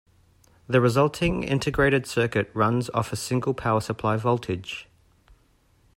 The resulting integrated circuit runs off a single power supply voltage.